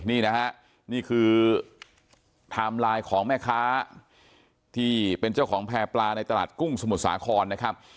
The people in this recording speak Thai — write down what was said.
นี่นะฮะนี่คือไทม์ไลน์ของแม่ค้าที่เป็นเจ้าของแพร่ปลาในตลาดกุ้งสมุทรสาครนะครับ